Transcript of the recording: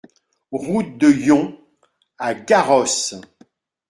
Route de Yon à Garrosse